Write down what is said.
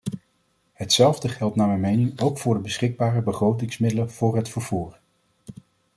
Hetzelfde geldt naar mijn mening ook voor de beschikbare begrotingsmiddelen voor het vervoer.